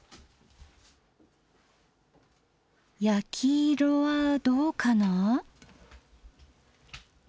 焼き色はどうかな？